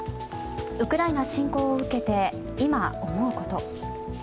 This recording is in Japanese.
ウクライナ侵攻を受けて今、思うこと。